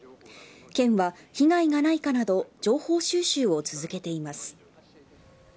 県は、被害がないかなど情報収集を続けています。